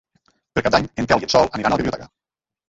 Per Cap d'Any en Quel i en Sol aniran a la biblioteca.